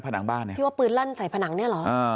ผนังบ้านเนี่ย